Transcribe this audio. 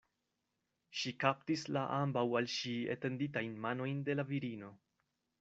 Ŝi kaptis la ambaŭ al ŝi etenditajn manojn de la virino.